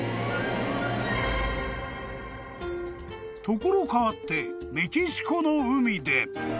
［ところ変わってメキシコの海で］